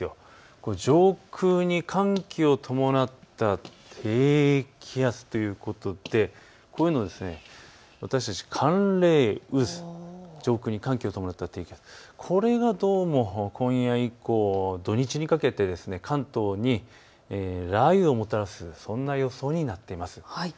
これ上空に寒気を伴った低気圧ということでこういうのを私たち寒冷渦、上空に寒気を伴った低気圧、これが土日にかけて関東に雷をもたらす、そんな予想になっています。